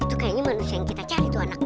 itu kayaknya manusia yang kita cari dua anak